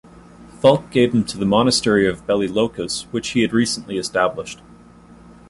Fulk gave them to the monastery of Belli Locus which he had recently established.